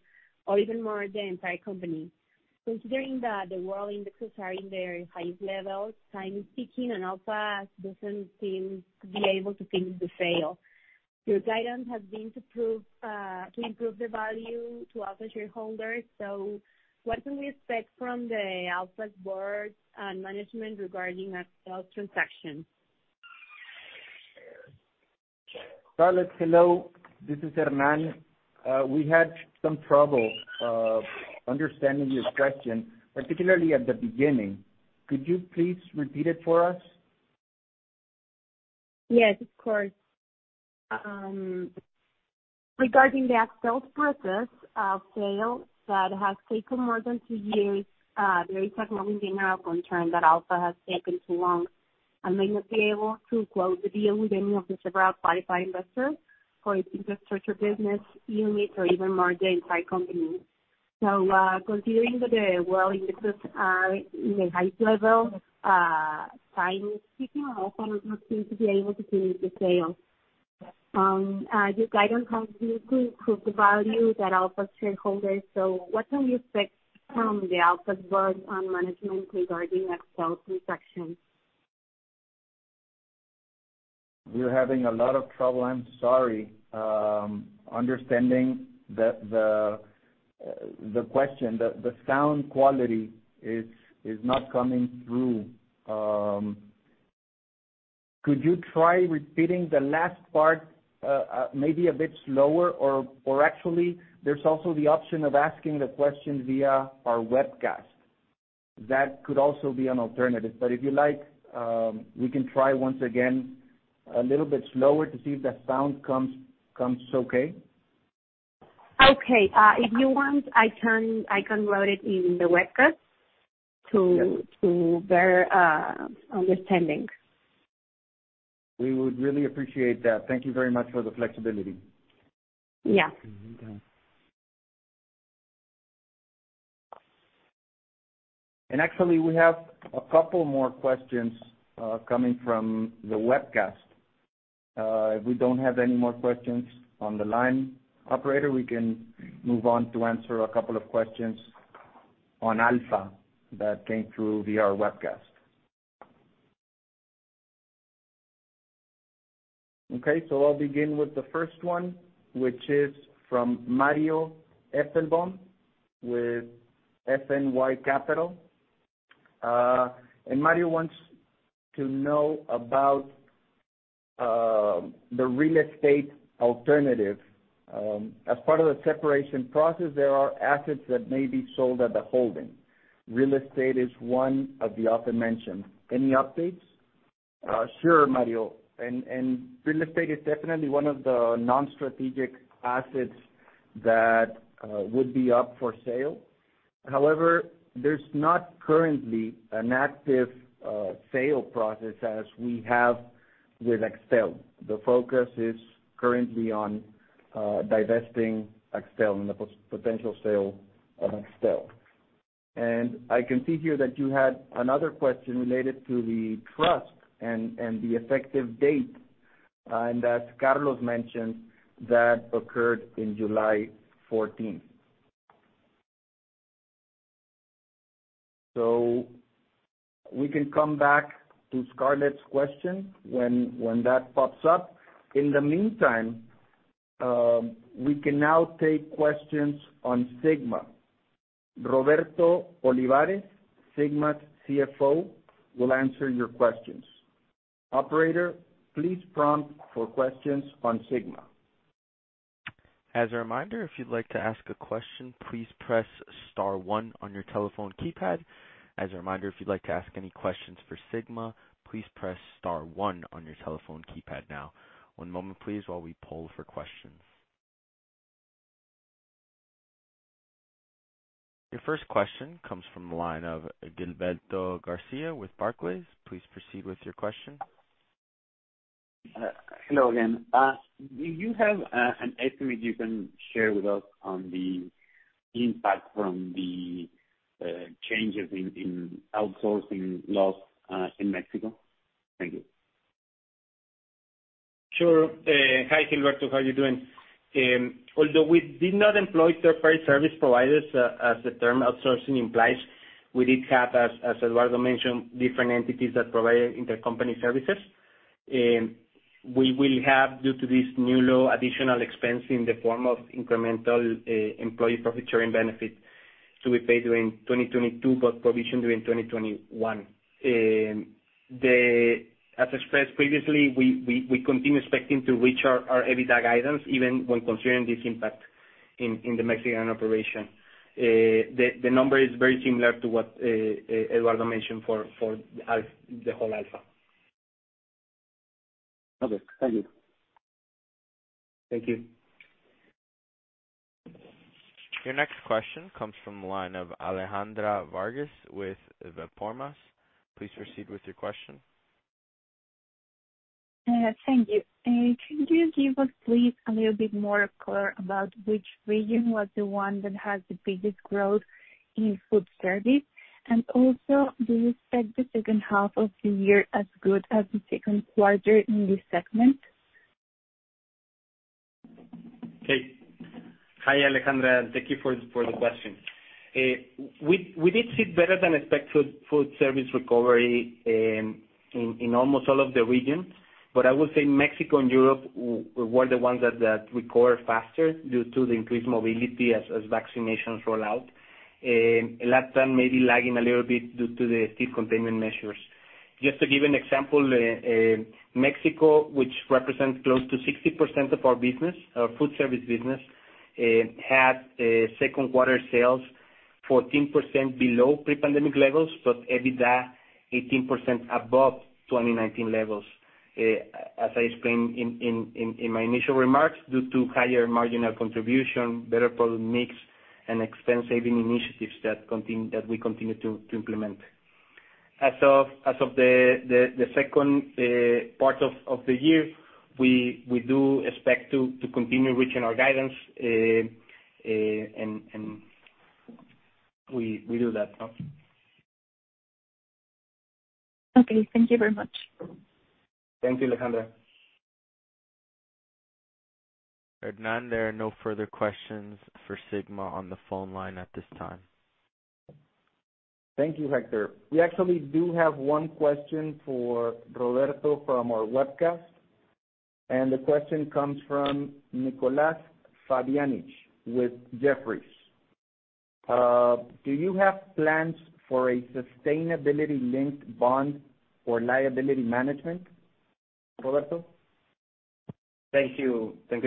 or even merge the entire company. Considering that the world indexes are in their highest levels, time is ticking, and ALFA doesn't seem to be able to finish the sale. Your guidance has been to improve the value to ALFA shareholders. What do we expect from the ALFA's board and management regarding Axtel's transaction? Scarlett, hello. This is Hernán. We had some trouble understanding your question, particularly at the beginning. Could you please repeat it for us? Yes, of course. Regarding the Axtel's process of sale that has taken more than two years, there is a growing general concern that ALFA has taken too long and may not be able to close the deal with any of the several qualified investors for its infrastructure business unit or even merge the entire company. Considering that the world indexes are in a high level, time is ticking, and ALFA does not seem to be able to finish the sale. Your guidance has been to improve the value of ALFA shareholders, so what can we expect from the ALFA's board on management regarding Axtel's transaction? We're having a lot of trouble, I'm sorry, understanding the question. The sound quality is not coming through. Could you try repeating the last part maybe a bit slower? Actually, there's also the option of asking the question via our webcast. That could also be an alternative. If you like, we can try once again a little bit slower to see if the sound comes okay. Okay. If you want, I can write it in the webcast to better understanding. We would really appreciate that. Thank you very much for the flexibility. Yeah. Actually, we have a couple more questions coming from the webcast. If we don't have any more questions on the line, operator, we can move on to answer a couple of questions on ALFA that came through via our webcast. I'll begin with the first one, which is from Mario Epelbaum with FNY Capital. Mario wants to know about the real estate alternative. As part of the separation process, there are assets that may be sold at the holding. Real estate is one of the often mentioned. Any updates? Sure, Mario. Real estate is definitely one of the non-strategic assets that would be up for sale. However, there's not currently an active sale process as we have with Axtel. The focus is currently on divesting Axtel and the potential sale of Axtel. I can see here that you had another question related to the trust and the effective date, as Carlos mentioned, that occurred on July 14th. We can come back to Scarlett's question when that pops up. In the meantime, we can now take questions on Sigma. Roberto Olivares, Sigma's CFO, will answer your questions. Operator, please prompt for questions on Sigma. As a reminder, if you'd like to ask a question, please press *1 on your telephone keypad. As a reminder, if you'd like to ask any questions for Sigma, please press *1 on your telephone keypad now. One moment, please, while we poll for questions. Your first question comes from the line of Gilberto Garcia with Barclays. Please proceed with your question. Hello again. Do you have an estimate you can share with us on the impact from the changes in outsourcing laws in Mexico? Thank you. Sure. Hi, Gilberto. How are you doing? Although we did not employ third-party service providers, as the term outsourcing implies, we did have, as Eduardo mentioned, different entities that provided intercompany services. We will have, due to this new law, additional expense in the form of incremental employee profit sharing benefit to be paid during 2022, but provisioned during 2021. As expressed previously, we continue expecting to reach our EBITDA guidance even when considering this impact in the Mexican operation. The number is very similar to what Eduardo mentioned for the whole ALFA. Okay. Thank you. Thank you. Your next question comes from the line of Alejandra Vargas with Banco Ve por Más. Please proceed with your question. Thank you. Could you give us, please, a little bit more color about which region was the one that has the biggest growth in food service? Also, do you expect the second half of the year as good as the Q2 in this segment? Okay. Hi, Alejandra. Thank you for the question. We did see better-than-expected food service recovery in almost all of the regions. I would say Mexico and Europe were the ones that recovered faster due to the increased mobility as vaccinations roll out. Latin may be lagging a little bit due to the strict containment measures. Just to give an example, Mexico, which represents close to 60% of our food service business, had Q2 sales 14% below pre-pandemic levels, but EBITDA 18% above 2019 levels. As I explained in my initial remarks, due to higher marginal contribution, better product mix, and expense-saving initiatives that we continue to implement. As of the second part of the year, we do expect to continue reaching our guidance, and we do that now. Okay. Thank you very much. Thank you, Alejandra. Hernán, there are no further questions for Sigma on the phone line at this time. Thank you, Hector. We actually do have one question for Roberto from our webcast. The question comes from Nicolas Fabiancic with Jefferies. Do you have plans for a sustainability-linked bond for liability management, Roberto? Thank you. Thank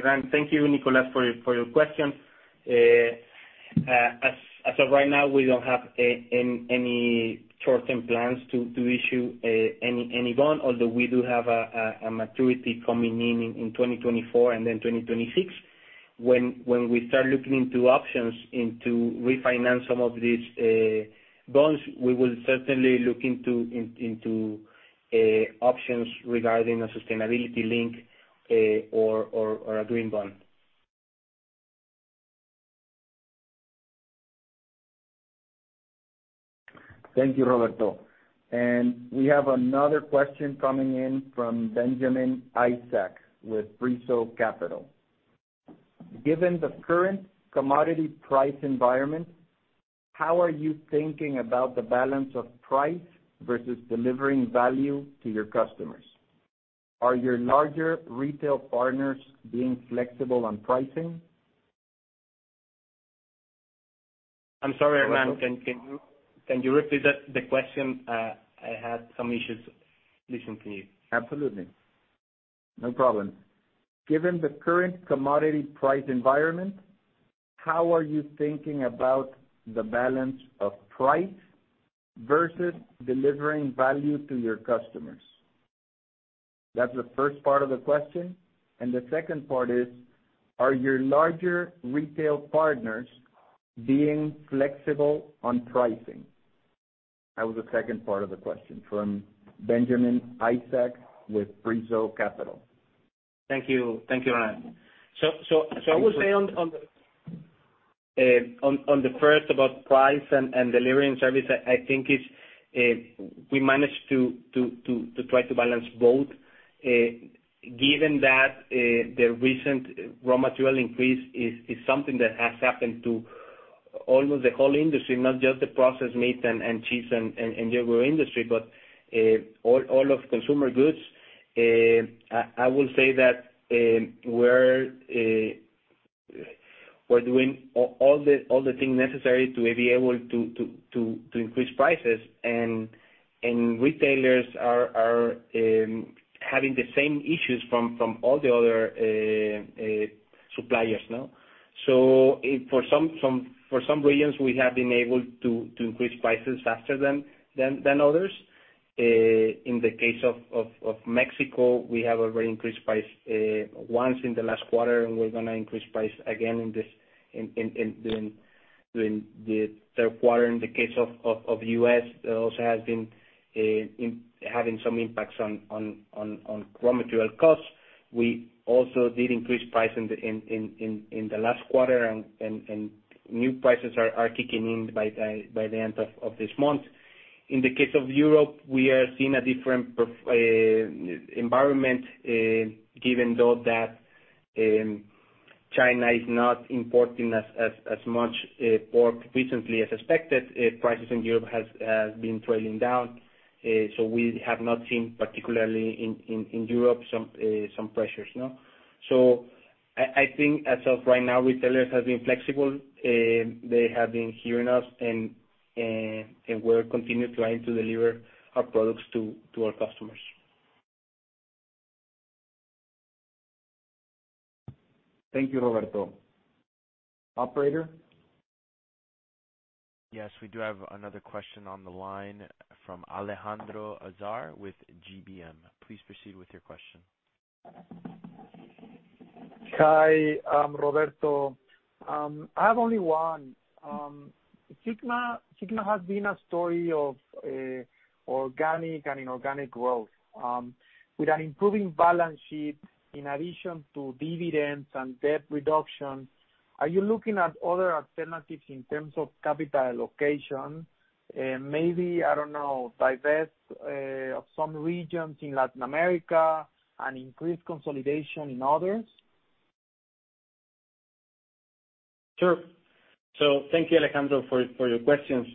you, Nicolas, for your question. As of right now, we don't have any short-term plans to issue any bond, although we do have a maturity coming in in 2024 and then 2026. When we start looking into options into refinancing some of these bonds, we will certainly look into options regarding a sustainability link or a green bond. Thank you, Roberto. We have another question coming in from Benjamin Isaac with Brizo Capital. Given the current commodity price environment, how are you thinking about the balance of price versus delivering value to your customers? Are your larger retail partners being flexible on pricing? I'm sorry, Hernán. Can you repeat the question? I had some issues listening to you. Absolutely. No problem. Given the current commodity price environment, how are you thinking about the balance of price versus delivering value to your customers? That's the first part of the question. The second part is: are your larger retail partners being flexible on pricing? That was the second part of the question from Benjamin Isaac with Brizo Capital. Thank you, Hernán. I would say on the first about price and delivering service, I think we managed to try to balance both. Given that the recent raw material increase is something that has happened to almost the whole industry, not just the processed meat and cheese and dairy industry, but all of consumer goods. I would say that we're doing all the things necessary to be able to increase prices, and retailers are having the same issues from all the other suppliers. For some regions, we have been able to increase prices faster than others. In the case of Mexico, we have already increased price once in the last quarter, and we're going to increase price again during the Q3. In the case of the U.S., it also has been having some impacts on raw material costs. We also did increase price in the last quarter, and new prices are kicking in by the end of this month. In the case of Europe, we are seeing a different environment. Given, though, that China is not importing as much pork recently as expected, prices in Europe have been trailing down. We have not seen, particularly in Europe, some pressures. I think as of right now, retailers have been flexible. They have been hearing us, and we're continuing trying to deliver our products to our customers. Thank you, Roberto. Operator? Yes, we do have another question on the line from Alejandro Azar with GBM. Please proceed with your question. Hi, Roberto. I have only one. Sigma has been a story of organic and inorganic growth. With an improving balance sheet in addition to dividends and debt reduction, are you looking at other alternatives in terms of capital allocation? Maybe, I don't know, divest of some regions in Latin America and increase consolidation in others? Sure. Thank you, Alejandro, for your questions.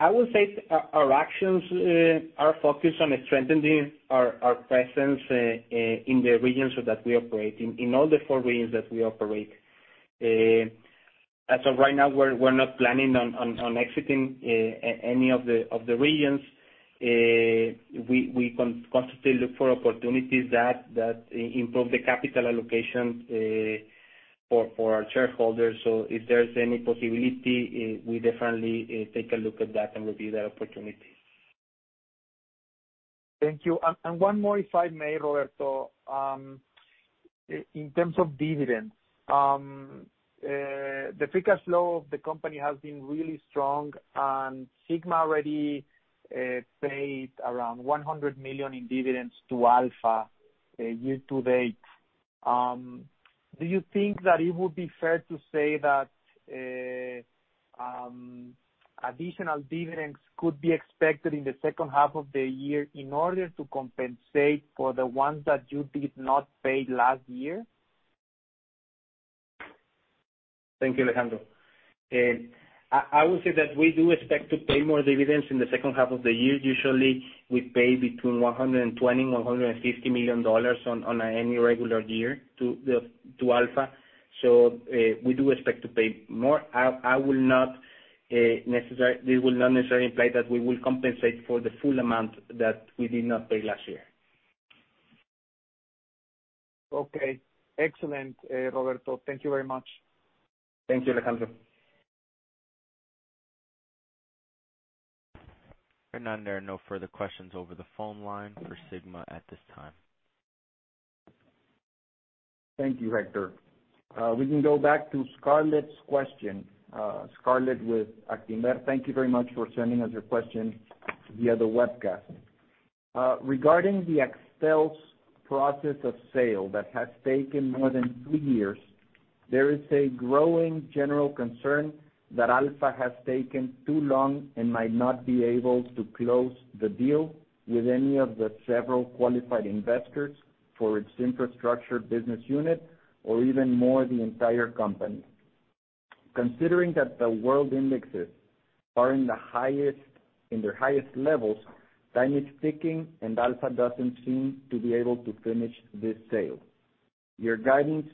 I would say our actions are focused on strengthening our presence in the regions that we operate in all the four regions that we operate. As of right now, we're not planning on exiting any of the regions. We constantly look for opportunities that improve the capital allocation for our shareholders. If there's any possibility, we definitely take a look at that and review that opportunity. Thank you. One more, if I may, Roberto. In terms of dividends, the free cash flow of the company has been really strong, and Sigma already paid around $100 million in dividends to ALFA year to date. Do you think that it would be fair to say that additional dividends could be expected in the second half of the year in order to compensate for the ones that you did not pay last year? Thank you, Alejandro. I would say that we do expect to pay more dividends in the second half of the year. Usually, we pay between $120 million-$150 million on any regular year to ALFA. We do expect to pay more. This will not necessarily imply that we will compensate for the full amount that we did not pay last year. Okay. Excellent, Roberto. Thank you very much. Thank you, Alejandro. Hernán, there are no further questions over the phone line for Sigma at this time. Thank you, Hector. We can go back to Scarlett's question. Scarlett with Actinver, thank you very much for sending us your question via the webcast. Regarding the Axtel's process of sale that has taken more than two years, there is a growing general concern that ALFA has taken too long and might not be able to close the deal with any of the several qualified investors for its infrastructure business unit, or even more, the entire company. Considering that the world indexes are in their highest levels. Time is ticking, and ALFA doesn't seem to be able to finish this sale. Your guidance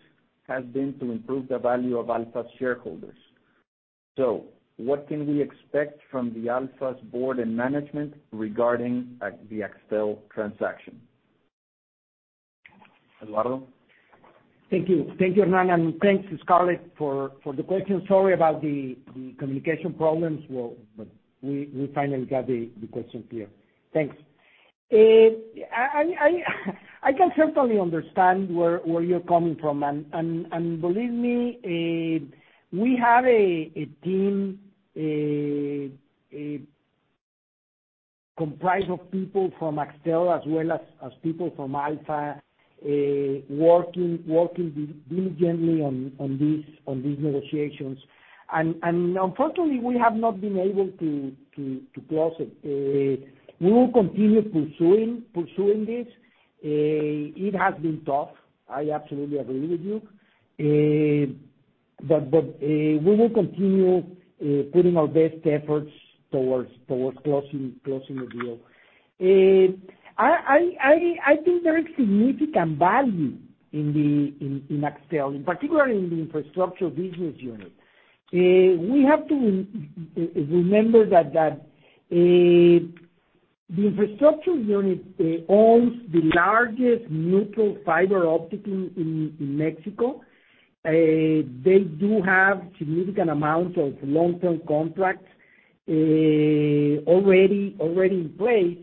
has been to improve the value of ALFA's shareholders. What can we expect from the ALFA's board and management regarding the Axtel transaction? Eduardo? Thank you. Thank you, Hernán, and thanks to Scarlett for the question. Sorry about the communication problems. Well, we finally got the question clear. Thanks. I can certainly understand where you're coming from and believe me, we have a team comprised of people from Axtel as well as people from ALFA, working diligently on these negotiations. Unfortunately, we have not been able to close it. We will continue pursuing this. It has been tough. I absolutely agree with you. We will continue putting our best efforts towards closing the deal. I think there is significant value in Axtel, and particularly in the infrastructure business unit. We have to remember that the infrastructure unit owns the largest neutral fiber optic in Mexico. They do have significant amount of long-term contracts already in place.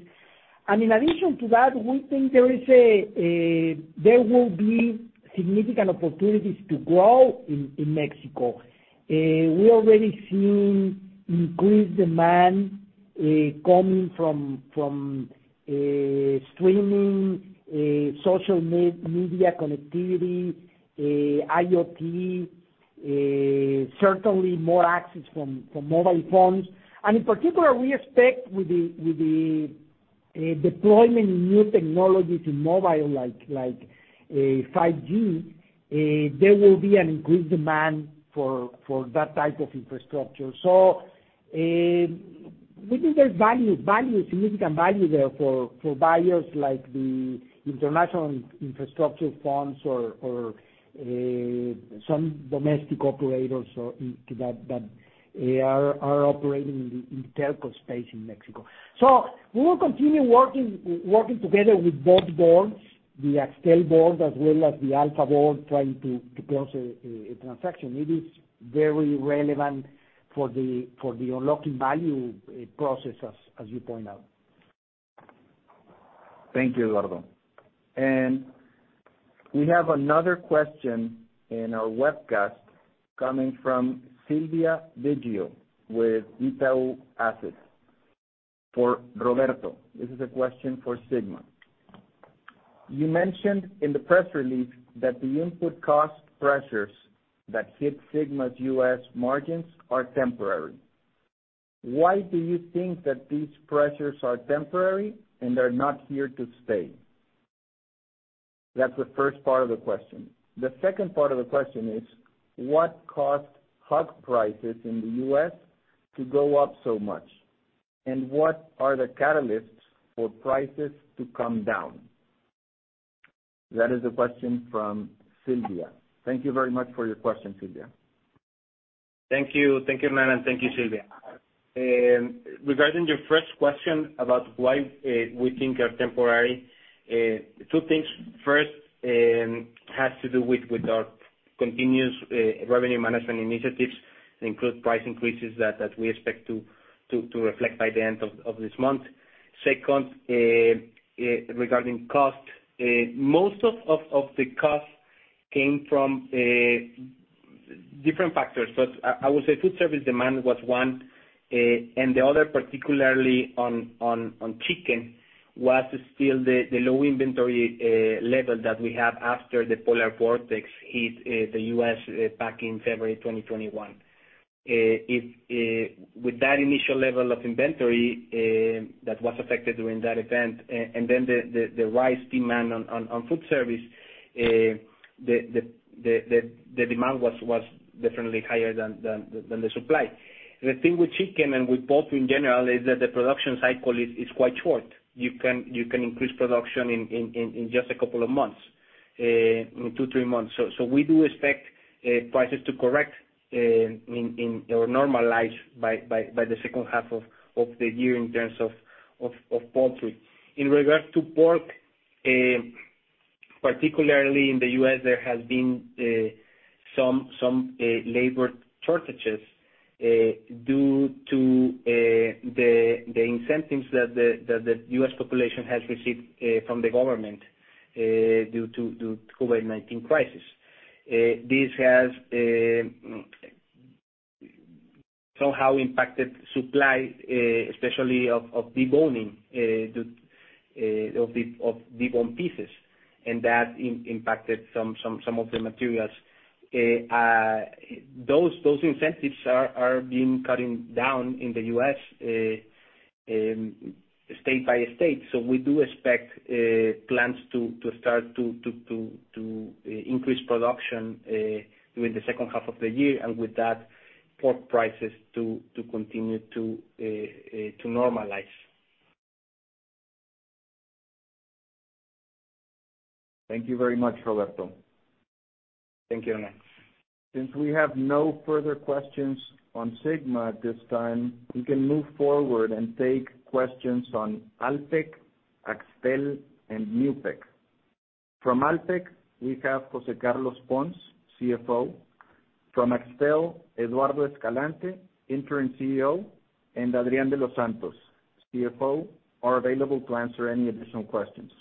In addition to that, we think there will be significant opportunities to grow in Mexico. We're already seeing increased demand coming from streaming, social media connectivity, IoT, certainly more access from mobile phones. In particular, we expect with the deployment in new technology to mobile, like 5G, there will be an increased demand for that type of infrastructure. We think there is significant value there for buyers like the international infrastructure funds or some domestic operators that are operating in the telco space in Mexico. We will continue working together with both boards, the Axtel board as well as the ALFA board, trying to close a transaction. It is very relevant for the unlocking value process, as you point out. Thank you, Eduardo. We have another question in our webcast coming from Sylvia Bigio with Itaú Asset Management for Roberto. This is a question for Sigma. You mentioned in the press release that the input cost pressures that hit Sigma's U.S. margins are temporary. Why do you think that these pressures are temporary and they're not here to stay? That's the first part of the question. The second part of the question is: What caused hog prices in the U.S. to go up so much? What are the catalysts for prices to come down? That is a question from Sylvia. Thank you very much for your question, Sylvia. Thank you. Thank you, Hernán, thank you, Sylvia. Regarding your first question about why we think they're temporary, two things. First, has to do with our continuous revenue management initiatives, include price increases that we expect to reflect by the end of this month. Second, regarding cost, most of the cost came from different factors. I would say food service demand was one, and the other, particularly on chicken, was still the low inventory level that we have after the polar vortex hit the U.S. back in February 2021. With that initial level of inventory that was affected during that event, then the rise demand on food service, the demand was definitely higher than the supply. The thing with chicken and with poultry in general is that the production cycle is quite short. You can increase production in just a couple of months, in two, three months. We do expect prices to correct or normalize by the second half of the year in terms of poultry. In regards to pork, particularly in the U.S., there has been some labor shortages due to the incentives that the U.S. population has received from the government due to COVID-19 crisis. This has somehow impacted supply, especially of deboning, of debone pieces, and that impacted some of the materials. Those incentives are being cutting down in the U.S. state by state. We do expect plants to start to increase production during the second half of the year, and with that, pork prices to continue to normalize. Thank you very much, Roberto. Thank you. Since we have no further questions on Sigma at this time, we can move forward and take questions on Alpek, Axtel, and Newpek. From Alpek, we have José Carlos Pons, CFO. From Axtel, Eduardo Escalante, interim CEO, and Adrián de los Santos, CFO, are available to answer any additional questions.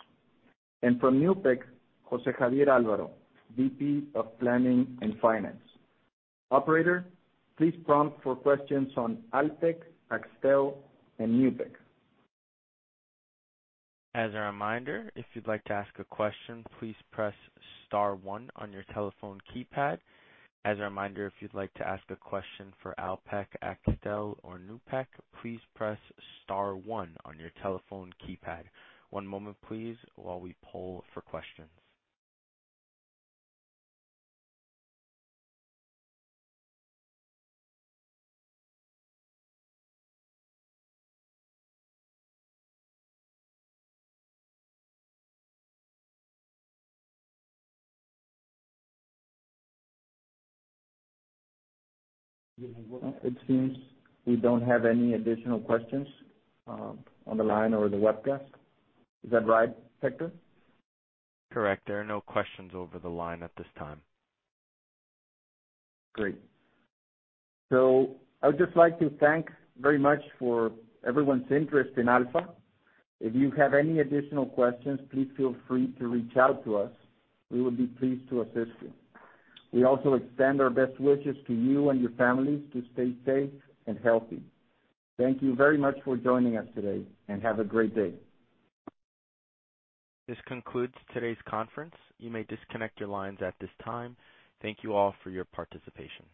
From Newpek, José Javier Alvaro, VP of Planning and Finance. Operator, please prompt for questions on Alpek, Axtel, and Newpek. As a reminder, if you'd like to ask a question, please press *1 on your telephone keypad. As a reminder, if you'd like to ask a question for Alpek, Axtel, or Newpek, please press *1 on your telephone keypad. One moment please while we poll for questions. It seems we don't have any additional questions on the line or the webcast. Is that right, Hector? Correct. There are no questions over the line at this time. Great. I would just like to thank very much for everyone's interest in ALFA. If you have any additional questions, please feel free to reach out to us. We would be pleased to assist you. We also extend our best wishes to you and your families to stay safe and healthy. Thank you very much for joining us today, and have a great day. This concludes today's conference. You may disconnect your lines at this time. Thank you all for your participation.